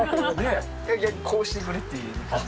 逆にこうしてくれっていう感じ。